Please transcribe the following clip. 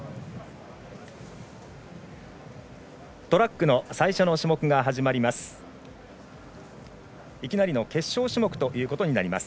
トラックの最初の種目が始まります。